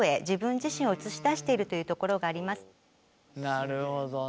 なるほどね。